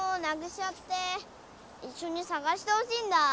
いっしょにさがしてほしいんだ。